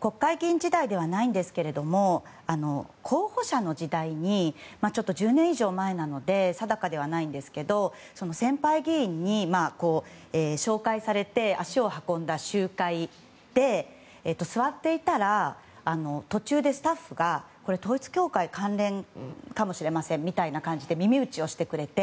国会議員時代ではないんですが候補者の時代に１０年以上前なので定かではないんですけど先輩議員に紹介されて足を運んだ集会で、座っていたら途中でスタッフが統一教会関連かもしれませんみたいな感じで、耳打ちをしてくれて。